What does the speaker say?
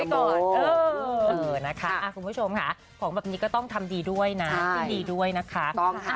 คุณผู้ชมของแบบนี้ก็ต้องทำดีด้วยนะคะ